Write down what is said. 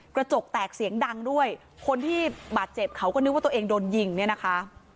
กระจกแตกเสียงดังด้วยคนที่บาดเจ็บเขาก็นึกว่าตัวเองโดนยิงเนี่ยนะคะ